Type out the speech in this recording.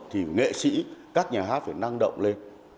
thì nghệ sĩ các nhà hát phải năng động lên